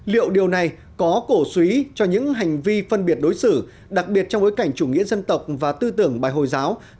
liệu điều này có cổ suý cho những hành vi phân biệt đối xử đặc biệt trong bối cảnh chủ nghĩa dân tộc và tư tưởng bài hồi giáo